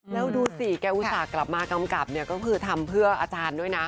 แล้วดูสิแกอุตส่าห์กลับมากำกับเนี่ยก็คือทำเพื่ออาจารย์ด้วยนะ